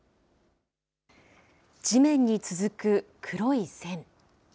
地面に続く黒い線。